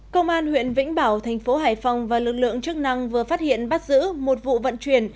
công an huyện vĩnh bảo thành phố hải phòng và lực lượng chức năng vừa phát hiện bắt giữ một vụ vận chuyển